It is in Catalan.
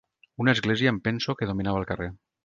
Una església, em penso, que dominava el carrer